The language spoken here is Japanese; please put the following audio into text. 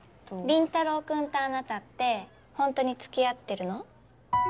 林太郎君とあなたってホントに付き合ってるの？